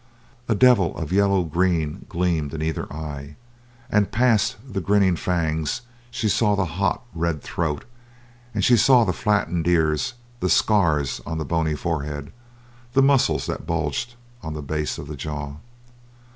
A devil of yellow green gleamed in either eye, and past the grinning fangs she saw the hot, red throat, and she saw the flattened ears, the scars on the bony forehead, the muscles that bulged on the base of the jaw.